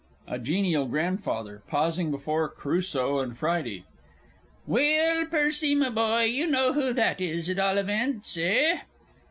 A GENIAL GRANDFATHER (pausing before Crusoe and Friday). Well, Percy, my boy, you know who that is, at all events eh?